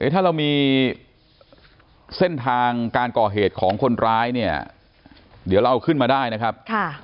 ถ้าเรามีเส้นทางการก่อเหตุของคนร้ายเนี่ยเดี๋ยวเราเอาขึ้นมาได้นะครับ